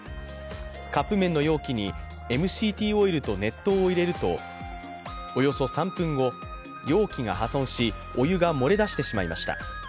カップ麺の容器にＭＣＴオイルと熱湯を入れるとおよそ３分後、容器が破損しお湯が漏れ出してしまいました。